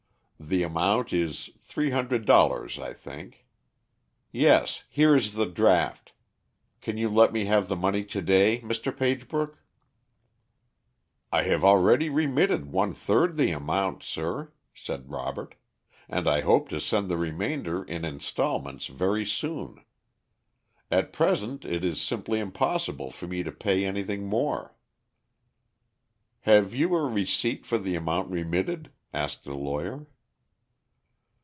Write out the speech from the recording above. The amount is three hundred dollars, I think. Yes. Here is the draft. Can you let me have the money to day, Mr. Pagebrook?" "I have already remitted one third the amount, sir," said Robert, "and I hope to send the remainder in installments very soon. At present it is simply impossible for me to pay anything more." "Have you a receipt for the amount remitted?" asked the lawyer.